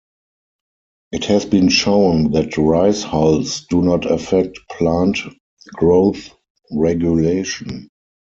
It has been shown that rice hulls do not affect plant growth regulation.